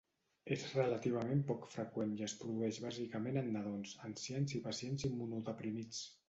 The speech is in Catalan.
És relativament poc freqüent i es produeix bàsicament en nadons, ancians i pacients immunodeprimits.